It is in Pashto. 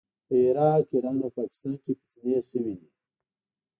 په عراق، ایران او پاکستان کې فتنې شوې دي.